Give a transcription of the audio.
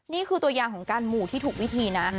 นี่คือตัวอย่างของการหมู่ที่ถูกวิธีนะ